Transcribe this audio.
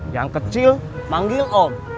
yang kecil panggil om